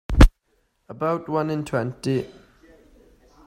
About one in twenty.